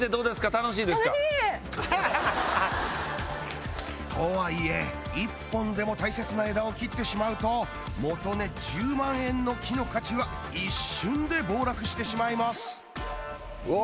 楽しい！とはいえ一本でも大切な枝を切ってしまうと元値１０万円の木の価値は一瞬で暴落してしまいますうわ